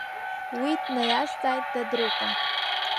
Уи днаиазҵааит Дадрыҟәа.